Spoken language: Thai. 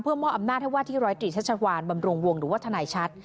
มอบอำนาจให้ว่าที่ร้อยตรีชัชวานบำรุงวงหรือว่าทนายชัด